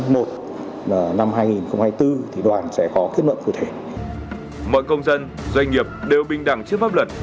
mọi công dân doanh nghiệp đều bình đẳng trước pháp luật